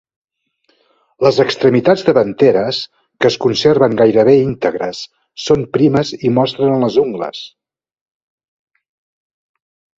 Les extremitats davanteres, que es conserven gairebé íntegres, són primes i mostren les ungles.